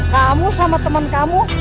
kamu sama temen kamu